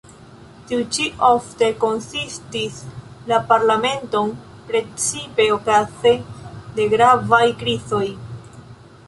Tiu ĉi ofte konsultis la parlamenton, precipe okaze de gravaj krizoj.